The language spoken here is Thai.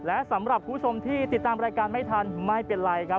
และสำหรับคุณผู้ชมที่ติดตามรายการไม่ทันไม่เป็นไรครับ